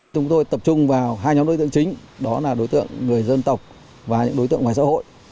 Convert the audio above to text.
chúng tôi tập trung vào hai nhóm đối tượng chính đó là đối tượng người dân tộc và những đối tượng ngoài xã hội